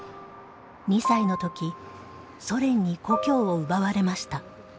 ２歳のときソ連に故郷を奪われました。